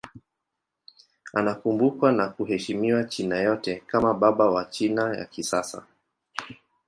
Anakumbukwa na kuheshimiwa China yote kama baba wa China ya kisasa.